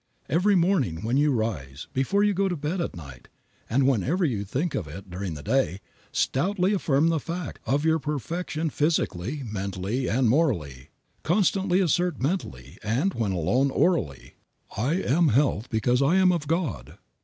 Every morning when you rise, before you go to bed at night, and whenever you think of it during the day, stoutly affirm the fact of your perfection physically, mentally and morally. Constantly assert mentally, and, when alone, orally, "I am health because I am of God.